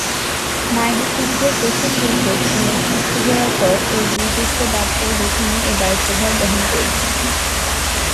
নায়ডু সিরিজের প্রথম দুই টেস্টে নেতৃত্ব দেয়ার পর ঐ দুই টেস্টে বাদ পড়লে তিনি এ দায়িত্বভার বহন করেছিলেন।